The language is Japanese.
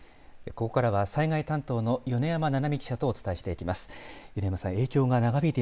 ここからは災害担当の米山奈々美記者とお伝えしていきます。